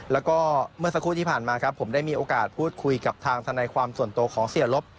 แล้วก็เมื่อสักครู่ที่ผ่านมาครับผมได้มีโอกาสพูดคุยกับทางทนายความส่วนตัวของเสียลบ